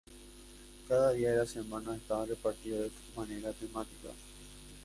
Cada día de la semana estaba repartido de manera temática.